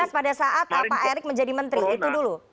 dua ribu sembilan belas pada saat pak erik menjadi menteri itu dulu